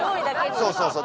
そうそうそう。